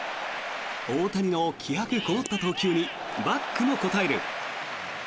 大谷の気迫のこもった投球にバックも応える。